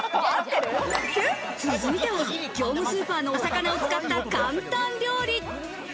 続いては業務スーパーのお魚を使った簡単料理。